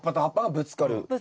ぶつかる。